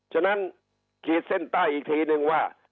ฉะนั้นขีดเส้นใต้อีกทีนึงว่า